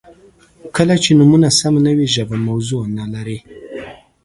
• کله چې نومونه سم نه وي، ژبه موضوع نهلري.